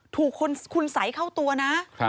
ถูกคุณสัยเข้าตัวนะ